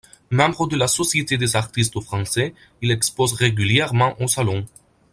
Membre de la Société des artistes français, il expose régulièrement au Salon.